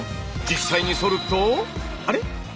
実際にそるとあれ？